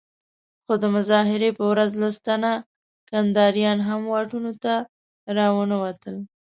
خو د مظاهرې په ورځ لس تنه کنداريان هم واټونو ته راونه وتل.